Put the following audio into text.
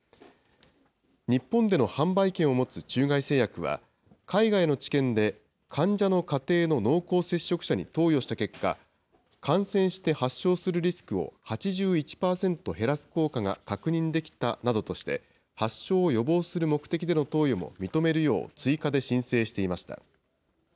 日本での販売権を持つ中外製薬は、海外の治験で、患者の家庭の濃厚接触者に投与した結果、感染して発症するリスクを８１％減らす効果が確認できたなどとして、発症を予防する目的での投与も認めるよう追加で申請していました。